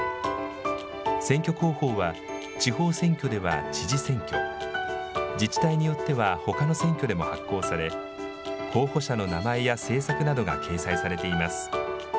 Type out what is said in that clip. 選挙公報は地方選挙では知事選挙、自治体によってはほかの選挙でも発行され候補者の名前や政策などが掲載されています。